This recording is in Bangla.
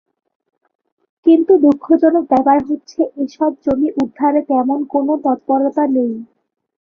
কিন্তু দুঃখজনক ব্যাপার হচ্ছে এসব জমি উদ্ধারে তেমন কোনো তৎপরতা নেই।